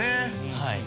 はい。